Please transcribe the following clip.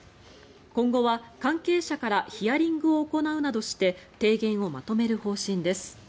今後は関係者からヒアリングを行うなどして提言をまとめる方針です。